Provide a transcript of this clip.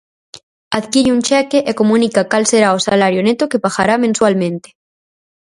Adquire un cheque e comunica cal será o salario neto que pagará mensualmente.